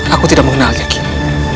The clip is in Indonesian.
aku tidak mengenalnya kini